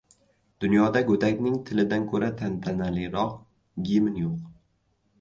Dunyoda go‘dakning tilidan ko‘ra tantanaliroq gimn yo‘q.